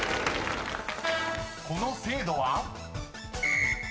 ［この制度は？］